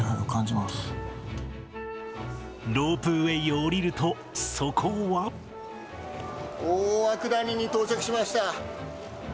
ロープウエーを降りると、大涌谷に到着しました。